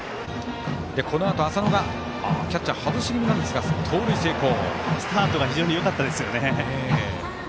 このあと浅野がキャッチャー外し気味なんですがスタートが非常によかったですよね。